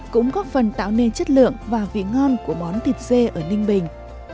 cũng góp phần tạo nên chất lượng và vị ngon của món thịt dê ở ninh bình